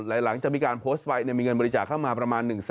หลังหนึ่งจะมีการโพสเตอร์ไปเรามีเงินบริจาค่ามาประมาณ๑๕๐๐๐๐บาท